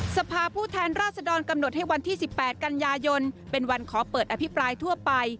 สภาพผู้แทนราชดรกำหนดให้วันที่๑๘กันยายนเป็นวันขอเปิดอภิปรายทั่วไป